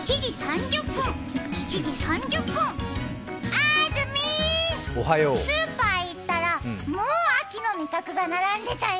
あーずみー、スーパー行ったらもう秋の味覚が並んでたよ。